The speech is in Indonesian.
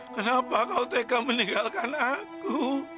kenapa kamu tengah meninggalkan aku